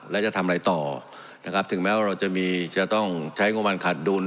และจะทำอะไรต่อถึงแม้ว่าเราจะต้องใช้งบันขาดดุล